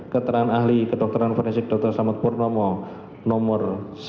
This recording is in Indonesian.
keterangan ahli kedokteran forensik dr selamat purnomo nomor satu